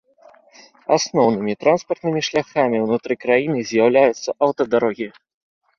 Асноўнымі транспартнымі шляхамі ўнутры краіны з'яўляюцца аўтадарогі.